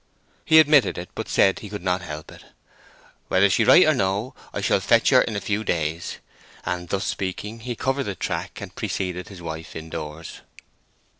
He admitted it, but said he could not help it. "Whether she write or no, I shall fetch her in a few days." And thus speaking, he covered the track, and preceded his wife indoors.